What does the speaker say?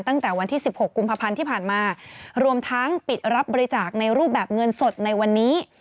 ตั้งแต่วันที่๑๖กุมภาพันธ์ที่ผ่านมารวมทั้งปิดรับบริจาคในรูปแบบเงินสดในวันนี้